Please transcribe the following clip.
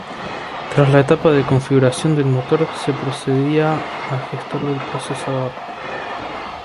Tras la etapa de configuración del motor se procedía al gestor del procesador.